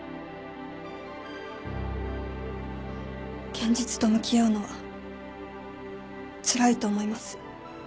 現実と向き合うのはつらいと思います。